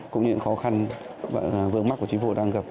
cũng như những khó khăn và vương mắc của chính phủ đang gặp